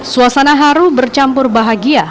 suasana haru bercampur bahagia